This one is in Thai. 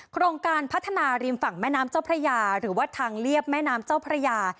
โครงการพัฒนาริมฝั่งแม่น้ำเจ้าพระยาหรือว่าทางเรียบแม่น้ำเจ้าพระยา